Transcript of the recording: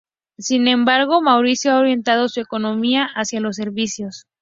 Sin embargo, Mauricio ha orientado su economía hacia los servicios.